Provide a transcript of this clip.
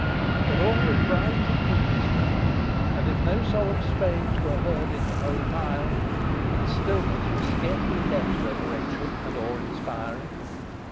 But all was bright and beauteous now, and if no solemn strains were heard in the holy pile, its stillness was scarcely less reverential and awe inspiring.